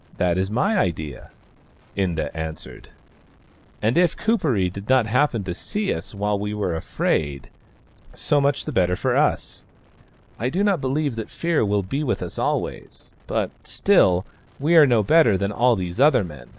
" That is my idea," Inda answered. " And if Kuperee did not happen to see us while we were afraid, so much the better for us. I do not believe that fear will be with us always, but still, we are no better than all these other men.